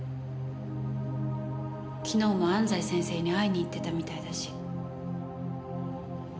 昨日も安西先生に会いに行ってたみたいだし。